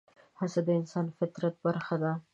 هڅه د انسان د فطرت برخه ده.